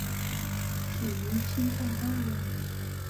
属于青藏高原。